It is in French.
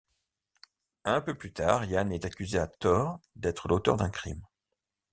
Un peu plus tard, Yan est accusé, à tort, d'être l'auteur d'un crime.